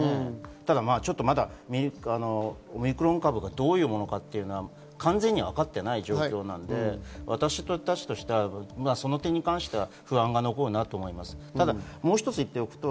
ただオミクロン株がまだどういうものなのか完全にわかっていない状況なので、私たちとしてはその点に関しては不安が残るなと思います。